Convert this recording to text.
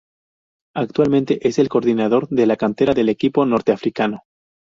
Actualmente, es el coordinador de la cantera del equipo norteafricano.